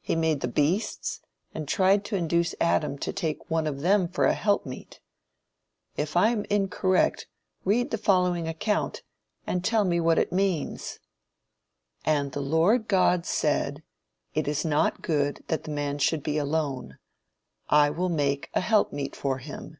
He made the beasts, and tried to induce Adam to take one of them for "an helpmeet." If I am incorrect, read the following account, and tell me what it means: "And the Lord God said, It is not good that the man should be alone; I will make him an helpmeet for him.